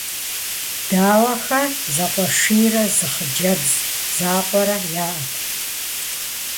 Даухэ зэкъуэшийрэ зы хъыджэбз закъуэрэ яӏэт.